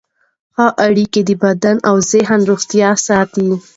ښه اړیکې د بدن او ذهن روغتیا ساتي.